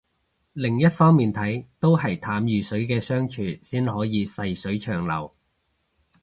另一方面睇都係淡如水嘅相處先可以細水長流